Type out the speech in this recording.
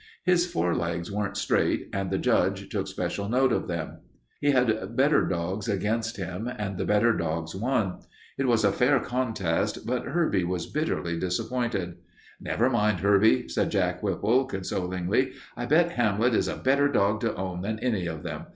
His forelegs weren't straight and the judge took special note of them. He had better dogs against him, and the better dogs won. It was a fair contest, but Herbie was bitterly disappointed. "Never mind, Herbie," said Jack Whipple, consolingly. "I bet Hamlet is a better dog to own than any of them.